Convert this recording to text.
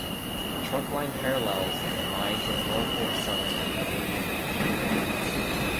The trunkline parallels lines of the Norfolk Southern and Canadian National railways.